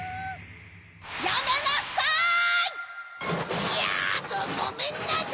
やめなさい‼ひゃ！